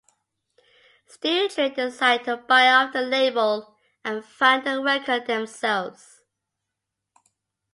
Steel Train decided to buy off the label and fund their record themselves.